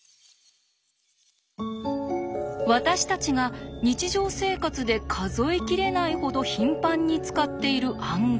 私たちが日常生活で数え切れないほど頻繁に使っている暗号。